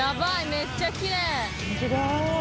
めっちゃきれい。